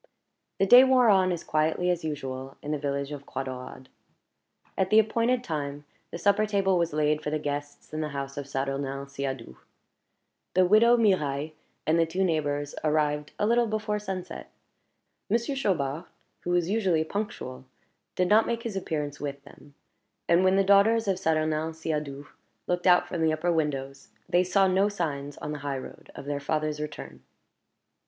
The day wore on as quietly as usual in the village of Croix Daurade. At the appointed time the supper table was laid for the guests in the house of Saturnin Siadoux. The widow Mirailhe and the two neighbors arrived a little before sunset. Monsieur Chaubard, who was usually punctual, did not make his appearance with them; and when the daughters of Saturnin Siadoux looked out from the upper windows, they saw no signs on the high road of their father's return.